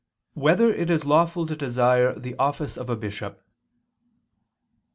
1] Whether It Is Lawful to Desire the Office of a Bishop?